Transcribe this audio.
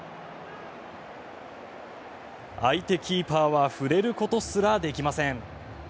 相手キーパーは触れることすらできません。